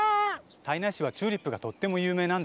胎内市はチューリップがとってもゆうめいなんですよ。